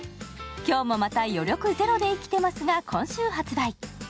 「今日もまた余力ゼロで生きてます」が今週発売。